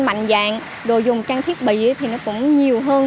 mạnh dạng đồ dùng trang thiết bị thì nó cũng nhiều hơn